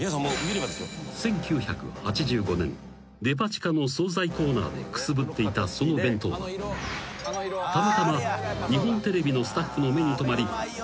［デパ地下の総菜コーナーでくすぶっていたその弁当はたまたま日本テレビのスタッフの目に留まり］